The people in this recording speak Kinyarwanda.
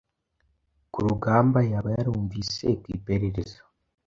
Ku rugamba yaba yarumvise ku iperereza